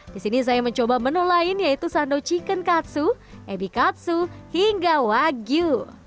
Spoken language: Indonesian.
di sini saya mencoba menu lain yaitu sando chicken katsu ebi katsu hingga wagyu